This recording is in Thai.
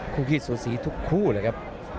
ขี้สูสีทุกคู่เลยครับ